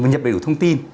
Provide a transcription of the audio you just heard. mình nhập được thông tin